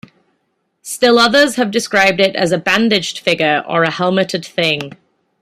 Still others have described it as a bandaged figure or as a helmeted thing.